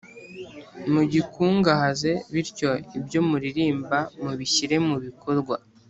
mugikungahaze, bityo ibyo muririmba mubishyire mu bikorwa